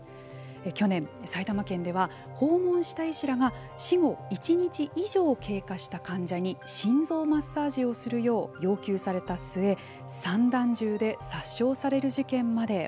去年、埼玉県では訪問した医師らが死後１日以上経過した患者に心臓マッサージをするよう要求された末、散弾銃で殺傷される事件まで起きました。